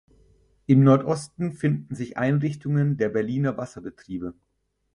Im Nordosten finden sich Einrichtungen der Berliner Wasserbetriebe.